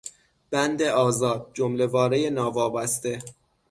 بند آزاد، جمله وارهی ناوابسته